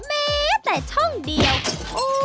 แม้แต่ช่องเดียว